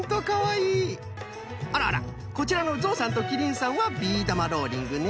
あらあらこちらのゾウさんとキリンさんはビー玉ローリングね。